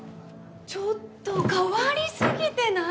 ちょっと変わりすぎてない！？